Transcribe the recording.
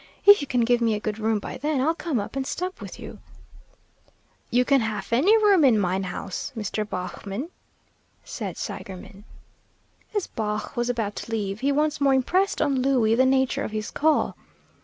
If you can give me a good room by then, I'll come up and stop with you." "You can haf any room in mine house, Mr. Baughman," said Seigerman. As Baugh was about to leave he once more impressed on Louie the nature of his call.